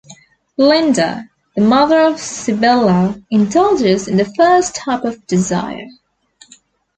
Linda, the mother of Sibylla, indulges in the first type of desire.